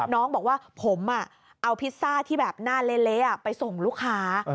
น้องบอกว่าผมเอาพิซซ่าที่แบบหน้าเละไปส่งลูกค้า